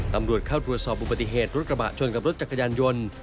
ตำรวจเข้าตรวจสอบอุบัติเหตุรถกระบะชนกับรถจักรยานยนต์